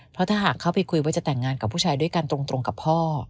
เพราะถ้าหากเข้าไปคุยว่าจะแต่งงานกับผู้ชายด้วยกันตรงกับพ่อ